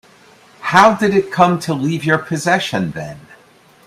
How did it come to leave your possession then?